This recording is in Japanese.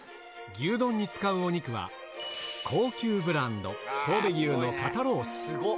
牛丼に使うお肉は、高級ブランド、神戸牛の肩ロース。